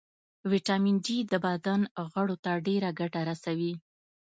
ويټامین ډي د بدن غړو ته ډېره ګټه رسوي